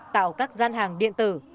tạo các gian hàng điện tử